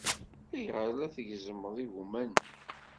Ayɣer ay la tgezzmeḍ igumma-nni?